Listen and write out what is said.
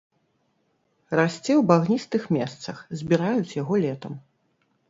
Расце ў багністых месцах, збіраюць яго летам.